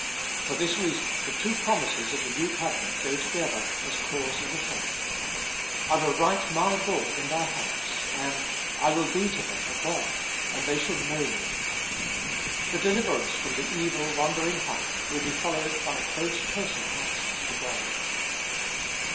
For this reason the two promises of the new covenant go together as cause and effect : I will write My law in their hearts, and, I will be to them a God, and they shall know Me. The deliverance from the evil, wandering heart, will be followed by close personal access to God.